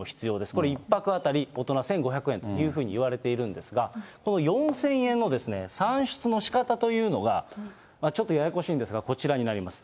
これ、１泊当たり大人１５００円というふうにいわれているんですが、この４０００円の算出のしかたというのが、ちょっとややこしいんですが、こちらになります。